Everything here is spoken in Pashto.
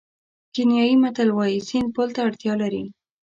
کینیايي متل وایي سیند پل ته اړتیا لري.